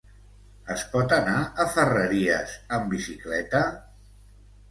Es pot anar a Ferreries amb bicicleta?